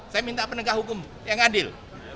saya minta penegak hukum yang adil